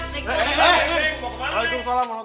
neng mau kemana